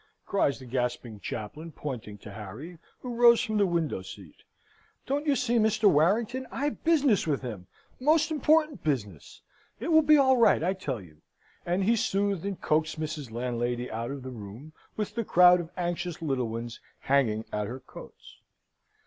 cries the gasping chaplain, pointing to Harry, who rose from the window seat. "Don't you see Mr. Warrington? I've business with him most important business. It will be all right, I tell you!" And he soothed and coaxed Mrs. Landlady out of the room, with the crowd of anxious little ones hanging at her coats.